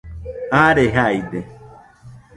are jaide